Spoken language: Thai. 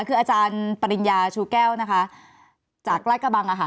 คืออาจารย์ปริญญาชูแก้วนะคะจากราชกระบังอะค่ะ